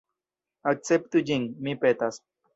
Akceptu ĝin, mi petas!